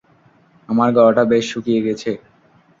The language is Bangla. আমার গলাটা বেশ শুকিয়ে গেছে!